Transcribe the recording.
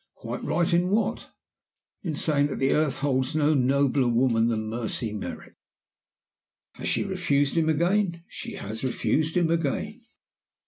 "'Quite right in what?' "'In saying that the earth holds no nobler woman than Mercy Merrick.' "'Has she refused him again?' "'She has refused him again.